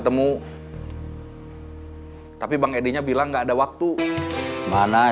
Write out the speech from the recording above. tikus itu sedang tidak bisa bernah